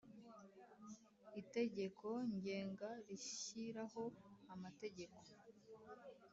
Itegeko Ngenga rishyiraho amategeko